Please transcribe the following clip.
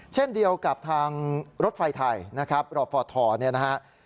เช่นเดียวกับทางรถไฟไทยรอบฟอร์ตธอร์